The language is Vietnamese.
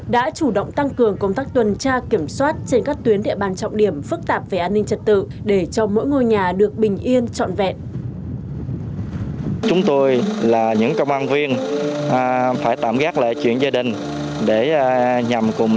đã chủ động tăng cường công tác tuần tra kiểm soát trên các tuyến địa bàn trọng điểm phức tạp về an ninh trật tự để cho mỗi ngôi nhà được bình yên trọn vẹn